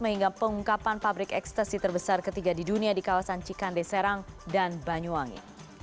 hingga pengungkapan pabrik ekstasi terbesar ketiga di dunia di kawasan cikande serang dan banyuwangi